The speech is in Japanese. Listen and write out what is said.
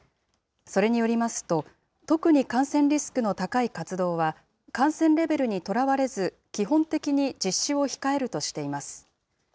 それによりますと、特に感染リスクの高い活動は、感染レベルにとらわれず、基本的に実施を控えるとしています。